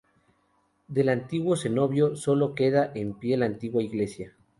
Del antiguo cenobio sólo queda en pie la antigua iglesia.